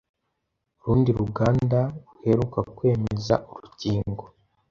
Urundi ruganda ruheruka kwemeza urukingo